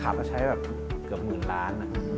ขาบจะใช้แบบเมืองล้าน